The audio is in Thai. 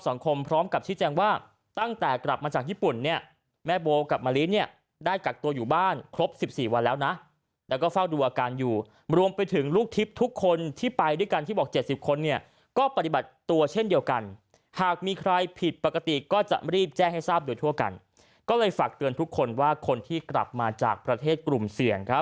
พร้อมกับชี้แจงว่าตั้งแต่กลับมาจากญี่ปุ่นเนี่ยแม่โบกับมะลิเนี่ยได้กักตัวอยู่บ้านครบสิบสี่วันแล้วนะแล้วก็เฝ้าดูอาการอยู่รวมไปถึงลูกทิพย์ทุกคนที่ไปด้วยกันที่บอก๗๐คนเนี่ยก็ปฏิบัติตัวเช่นเดียวกันหากมีใครผิดปกติก็จะรีบแจ้งให้ทราบโดยทั่วกันก็เลยฝากเตือนทุกคนว่าคนที่กลับมาจากประเทศกลุ่มเสี่ยงครับ